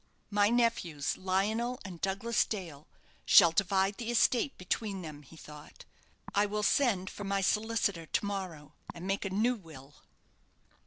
"My nephews, Lionel and Douglas Dale, shall divide the estate between them," he thought. "I will send for my solicitor to morrow, and make a new will."